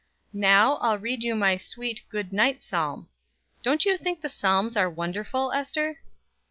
Now I'll read you my sweet good night Psalm. Don't you think the Psalms are wonderful, Ester?"